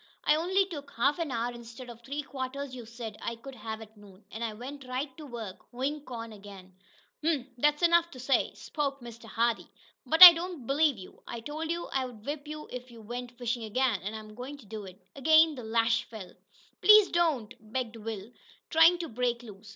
I only took half an hour, instead of three quarters you said I could have at noon, and I went right to work hoein' corn again." "Humph! That's easy enough to say," spoke Mr. Hardee, "but I don't believe you. I told you I'd whip you if you went fishin' ag'in, an' I'm goin' to do it!" Again the lash fell. "Please don't!" begged Will, trying to break loose.